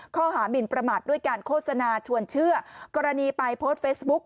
หมินประมาทด้วยการโฆษณาชวนเชื่อกรณีไปโพสต์เฟซบุ๊ก